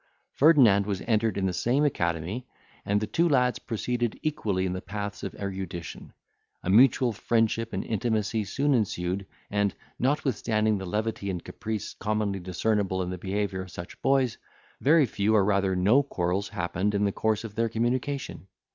Ferdinand was entered in the same academy; and the two lads proceeded equally in the paths of erudition; a mutual friendship and intimacy soon ensued, and, notwithstanding the levity and caprice commonly discernible in the behaviour of such boys, very few or rather no quarrels happened in the course of their communication.